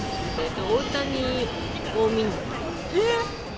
大谷を見に。